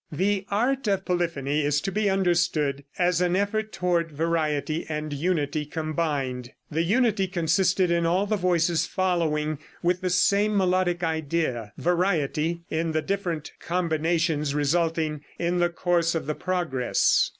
The art of polyphony is to be understood as an effort toward variety and unity combined. The unity consisted in all the voices following with the same melodic idea; variety, in the different combinations resulting in the course of the progress.